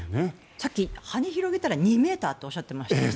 さっき、羽を広げたら２ｍとおっしゃってましたよね。